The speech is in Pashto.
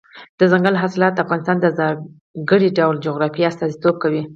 دځنګل حاصلات د افغانستان د ځانګړي ډول جغرافیه استازیتوب کوي.